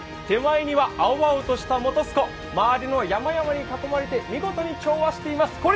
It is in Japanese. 手前には青々とした本栖湖、周りの山々に囲まれて見事に調和しています。